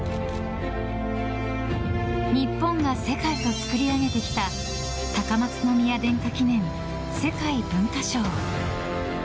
日本が世界と作り上げてきた高松宮殿下記念世界文化賞。